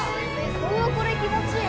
うわこれ気持ちいい。